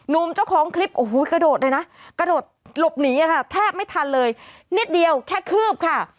มเจ้าของคลิปโอ้โหกระโดดเลยนะกระโดดหลบหนีค่ะแทบไม่ทันเลยนิดเดียวแค่คืบค่ะ